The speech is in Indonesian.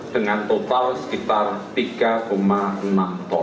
dengan total sekitar tiga enam ton